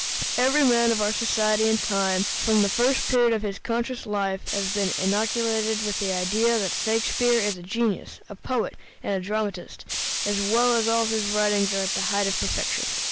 Every man of our society and time, from the first period of his conscious life, has been inoculated with the idea that Shakespeare is a genius, a poet, and a dramatist, and that all his writings are the height of perfection.